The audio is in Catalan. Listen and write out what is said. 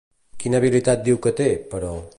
Quina habilitat diu que té, però?